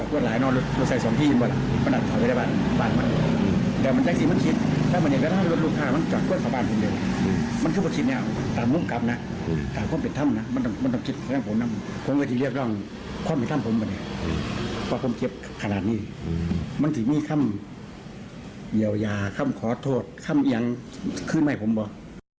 ว่าผมเจ็บขนาดนี้มันถึงมีคำเยียวยาคำขอโทษคำอย่างคืนให้ผมบอก